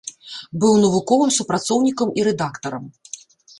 Быў навуковым супрацоўнікам і рэдактарам.